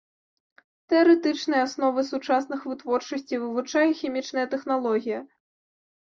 Тэарэтычныя асновы сучасных вытворчасцей вывучае хімічная тэхналогія.